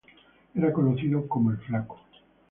Era conocido como El Flaco.